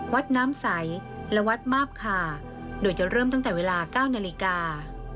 วัดน้ำใสและวัดมาบคาโดยจะเริ่มตั้งแต่เวลา๙นาฬิกา